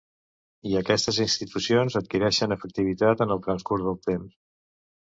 I aquestes institucions adquireixen objectivitat en el transcurs del temps.